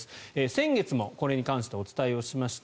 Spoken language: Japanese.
先月もこれに関してお伝えをしました。